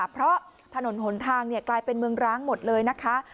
เพราะถนนหนทางกลายเป็นเมืองร้างหมดเลยนะคะ